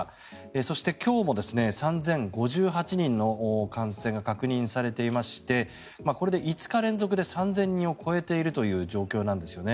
そして、今日も３０５８人の感染が確認されていましてこれで５日連続で３０００人を超えているという状況なんですよね。